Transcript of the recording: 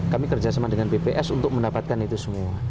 kami kerjasama dengan bps untuk mendapatkan itu semua